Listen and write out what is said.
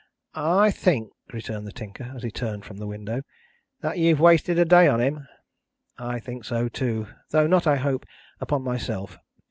"I think," returned the Tinker, as he turned from the window, "that you've wasted a day on him." "I think so too; though not, I hope, upon myself.